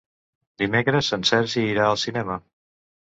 Dimecres en Sergi irà al cinema.